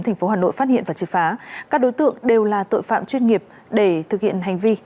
tp hà nội phát hiện và trị phá các đối tượng đều là tội phạm chuyên nghiệp để thực hiện hành vi